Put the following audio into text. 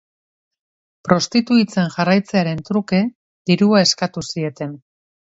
Prostituitzen jarraitzearen truke dirua eskatu zieten.